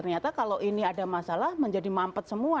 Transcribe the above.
ternyata kalau ini ada masalah menjadi mampet semua